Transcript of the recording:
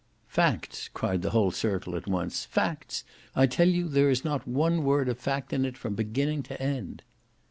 "Facts!" cried the whole circle at once, "facts! I tell you there is not a word of fact in it from beginning to end."